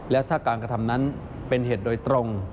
และถ้าการกระทำนั้นเป็นเหตุโดยตรง